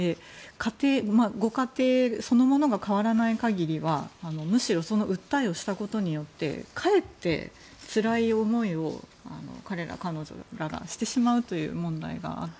ご家庭そのものが変わらない限り訴えをしたことでかえってつらい思いを彼ら、彼女らがしてしまうという問題があって。